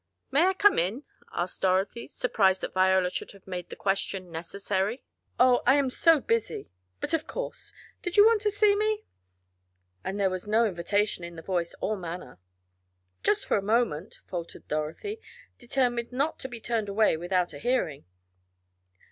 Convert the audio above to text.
"May I come in?" asked Dorothy, surprised that Viola should have made the question necessary. "Oh, I am so busy but of course Did you want to see me?" and there was no invitation in the voice or manner. "Just for a moment," faltered Dorothy, determined not to be turned away without a hearing.